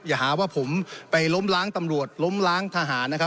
อย่าหาว่าผมไปล้มล้างตำรวจล้มล้างทหารนะครับ